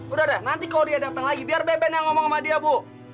udah deh nanti kalau dia datang lagi biar beben yang ngomong sama dia bu